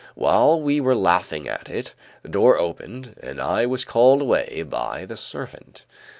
While we were laughing at it, the door opened and I was called away by the servant.